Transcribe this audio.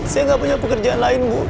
saya nggak punya pekerjaan lain bu